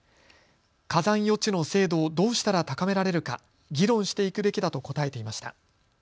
火山予知の精度をどうしたら高められるか議論していくべきだと答えていました。